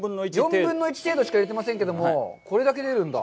４分の１程度しか入れていませんけれども、これだけ出るんだ。